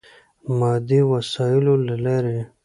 مادي وسایلو له لارې.